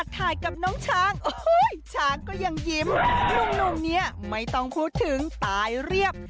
กับน้องช้างช้างก็ยังยิ้มหนุ่มเนี่ยไม่ต้องพูดถึงตายเรียบ